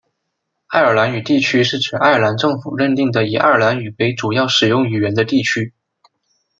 爱尔兰语地区是指爱尔兰政府认定的以爱尔兰语为主要使用语言的地区。